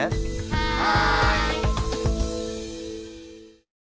はい！